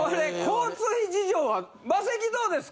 交通費事情は。